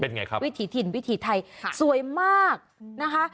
ไงครับวิถีถิ่นวิถีไทยสวยมากนะคะ